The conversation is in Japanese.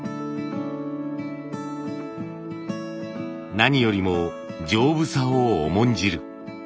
何よりも丈夫さを重んじる。